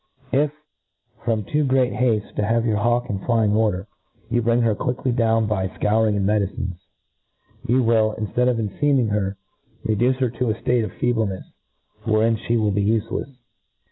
If, from too great haftc to have your hawk in flying order, you bring her quickly .down by fcouring and medicines, you wiH* inftead of en* Teaming her, reduce her to a ftate of fcebleneft, wherein flic will be ufelcfe.